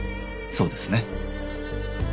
そうですね？